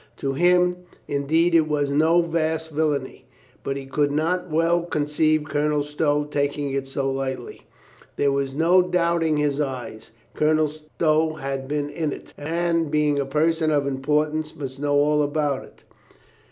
To him, indeed, it was no vast villainy, but he could not well conceive Colonel Stow taking it so lightly. There was no doubting his eyes. Colo nel Stow had been in it, and being a person of im portance must know all about it.